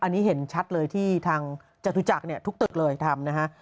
อันนี้เห็นชัดเลยที่ทางจัตุจักรทุกตึกเลยทำ